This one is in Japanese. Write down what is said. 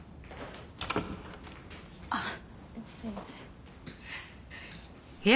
あっすいません。